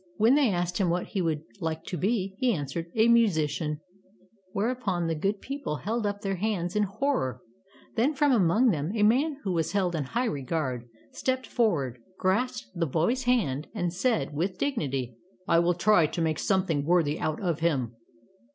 When they asked him what he would like to be, he answered, ''A musician.'' Whereupon the good people held up their hands in horror. Then from among them a man who was held in high regard stepped forward, grasped the boy's hand, and said, 78 Tales of Modern Germany with dignity, '' I will try to make something worthy out of him."